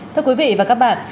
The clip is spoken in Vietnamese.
thưa quý vị và các bạn